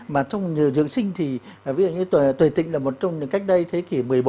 mà trong dưỡng sinh thì ví dụ như tuổi tịnh là một trong những cách đây thế kỷ một mươi bốn